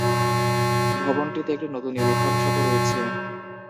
ভবনটিতে একটি নতুন ইউনিফর্ম শপও রয়েছে।